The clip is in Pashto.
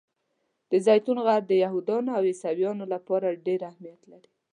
د زیتون غر د یهودانو او عیسویانو لپاره ډېر اهمیت لري.